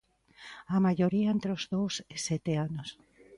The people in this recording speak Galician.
A maioría entre os dous e sete anos.